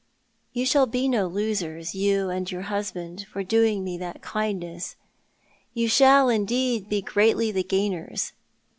You shall be no losers, you and your husband, for doinpc me that kindness. You shall, indeed, be greatly the gainers.